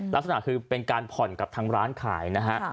ลักษณะคือเป็นการผ่อนกับทางร้านขายนะฮะ